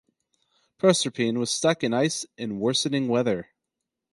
"Proserpine" was stuck in ice in worsening weather.